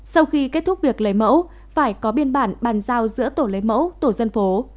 sau khi kết thúc việc lấy mẫu phải có biên bản bàn giao giữa tổ lấy mẫu tổ dân phố